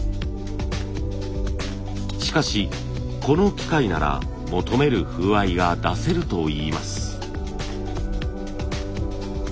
しかしこの機械なら求める風合いが出せるといいます。